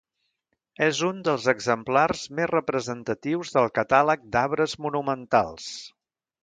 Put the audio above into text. És un dels exemplars més representatius del catàleg d'arbres monumentals.